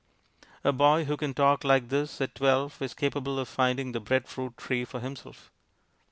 A boy who can talk like this at twelve is capable of finding the bread fruit tree for himself.